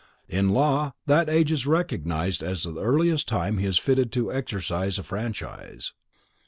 In law that age is recognized as the earliest time he is fitted to exercise a franchise.